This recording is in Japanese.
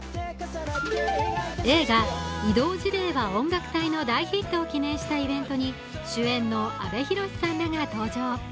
映画「異動辞令は音楽隊！」の大ヒットを記念したイベントに主演の阿部寛さんらが登場。